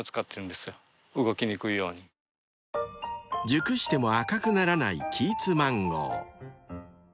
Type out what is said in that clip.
［熟しても赤くならないキーツマンゴー］